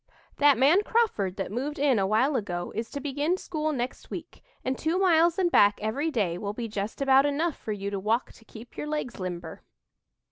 "That man Crawford that moved in a while ago is to begin school next week, and two miles and back every day will be just about enough for you to walk to keep your legs limber."